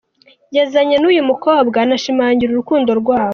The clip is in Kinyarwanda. yazanye n’uyu mukobwa anashimangira urukundo rwabo